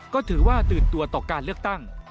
ก็ถือว่าตื่นตัวต่อการเลือกตั้ง